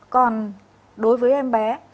còn đối với em bé